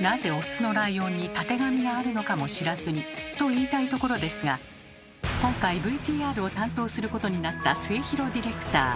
なぜオスのライオンにたてがみがあるのかも知らずにと言いたいところですが今回ＶＴＲを担当することになった末廣ディレクター。